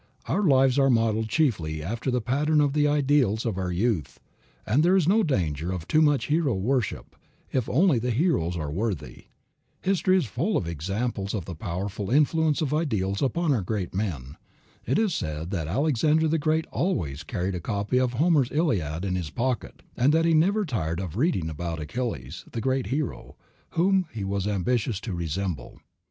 Our lives are molded chiefly after the pattern of the ideals of our youth, and there is no danger of too much hero worship, if only the heroes are worthy. History is full of examples of the powerful influence of ideals upon our great men. It is said that Alexander the Great always carried a copy of Homer's "Iliad" in his pocket, and that he never tired of reading about Achilles, the great hero, whom he was ambitious to resemble.